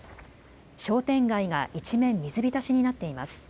商店街が一面、水浸しになっています。